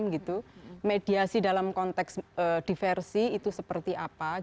jadi mediasi dalam konteks diversi itu seperti apa